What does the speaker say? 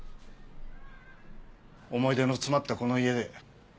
思い出の詰まったこの家で。